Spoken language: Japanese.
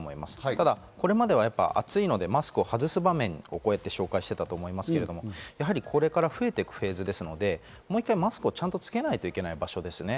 ただこれまでは暑いのでマスクを外す場面を紹介してだと思うんですけど、これから増えていくフェーズですので、マスクをちゃんとつけないといけない場所ですね。